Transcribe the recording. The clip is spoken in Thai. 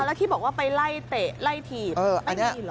แล้วที่บอกว่าไปไล่เตะไล่ถีบไม่มีเหรอ